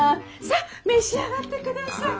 さっ召し上がって下さい。